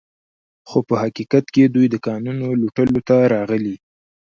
خو په حقیقت کې دوی د کانونو لوټولو ته راغلي